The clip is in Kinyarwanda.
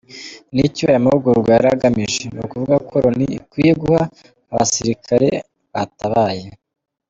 Nicyo aya mahugurwa yari agamije no kuvuga ko Loni ikwiye guha abasirikare batabaye.